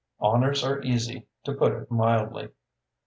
Honors are easy, to put it mildly.